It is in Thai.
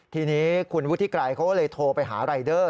ทีนี้คุณวุฒิไกรเขาก็เลยโทรไปหารายเดอร์